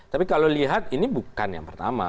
tapi kalau lihat ini bukan yang pertama